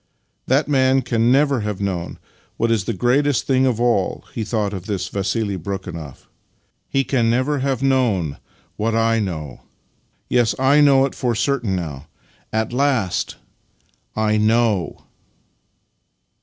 " That man can never have known what is the greatest thing of all," he thought of this Vassili Brekhunoff. " He can never have known what I know. Yes, I know it for certain now. At last— I KNOW!